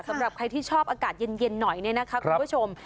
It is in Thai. สำหรับใครที่ชอบอากาศเย็นหน่อยเนี่ยนะคะคุณผู้ชม